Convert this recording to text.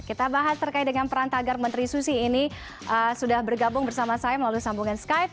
kita bahas terkait dengan peran tagar menteri susi ini sudah bergabung bersama saya melalui sambungan skype